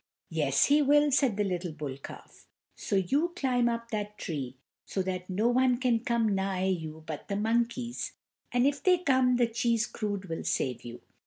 "Yes, he will," said the little bull calf, "so you climb up that tree, so that no one can come nigh you but the monkeys, and if they come the cheese crud will save you.